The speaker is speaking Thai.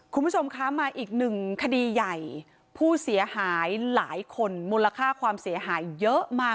คุณผู้ชมคะมาอีกหนึ่งคดีใหญ่ผู้เสียหายหลายคนมูลค่าความเสียหายเยอะมาก